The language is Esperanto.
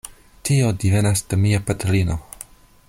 Tio devenas de mia patrino.